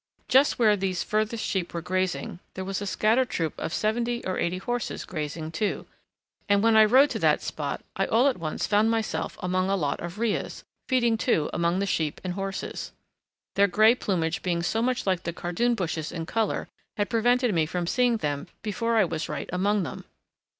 Just where these furthest sheep were grazing there was a scattered troop of seventy or eighty horses grazing too, and when I rode to that spot I all at once found myself among a lot of rheas, feeding too among the sheep and horses. Their grey plumage being so much like the cardoon bushes in colour had prevented me from seeing them before I was right among them.